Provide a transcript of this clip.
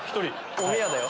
おみやだよ。